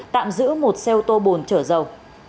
tạm giữ một xe ô tô bồn trở dầu